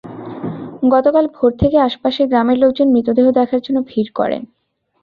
গতকাল ভোর থেকে আশপাশের গ্রামের লোকজন মৃতদেহ দেখার জন্য ভিড় করেন।